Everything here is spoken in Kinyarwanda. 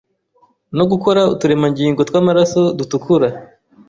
no gukora uturemangingo tw’amaraso dutukura,